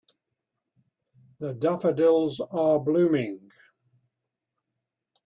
The daffodils are blooming.